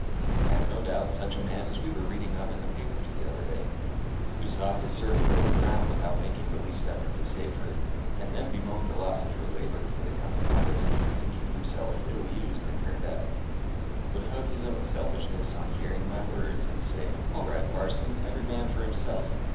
I have no doubt such a man as we were reading of in the papers the other day, who saw his servant girl drown without making the least effort to save her, and then bemoaned the loss of her labour for the coming harvest, thinking himself ill used in her death, would hug his own selfishness on hearing my words, and say, 'All right, parson! Every man for himself!